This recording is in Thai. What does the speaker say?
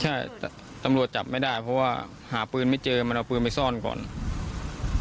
ใช่ตำรวจจับไม่ได้เพราะว่าหาปืนไม่เจอมันเอาปืนไปซ่อนก่อน